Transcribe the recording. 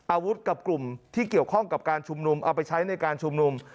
อาวุธกับกลุ่มที่เกี่ยวข้องกับการชุมนุมเอาไปใช้ในการชุมนุม